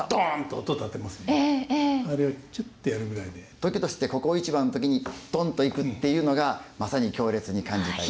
時としてここ一番の時に「トン」っていくっていうのがまさに強烈に感じたり。